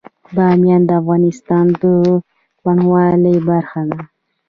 بامیان د افغانستان د بڼوالۍ برخه ده.